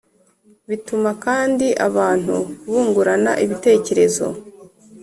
Bituma kandi abantu bungurana ibitekerezo